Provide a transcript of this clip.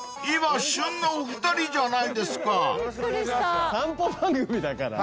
今旬のお二人じゃないですか］